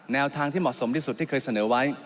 แนวทางที่เหมาะสมที่สุดที่เคยเสนอไว้